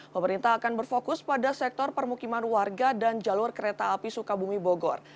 pemerintah akan berfokus pada sektor permukiman warga dan jalur kereta api sukabumi bogor